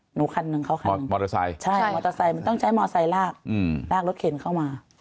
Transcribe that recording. หนูคันหนึ่งเข้าคันหนึ่งมอเตอร์ไซด์มันต้องใช้มอเตอร์ไซด์ลากรถเข็นเข้ามา